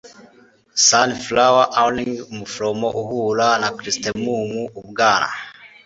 sunflower awning by umuforomo-uhura na chrysanthemumu ubwana